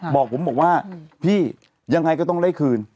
บอกผมบอกว่าพี่ยังไงก็ต้องได้คืน